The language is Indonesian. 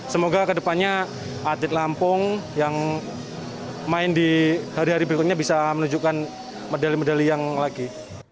semoga kedepannya atlet lampung yang main di hari hari berikutnya bisa menunjukkan medali medali yang lagi